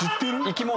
生き物？